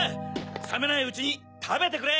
さめないうちにたべてくれ！